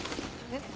えっ？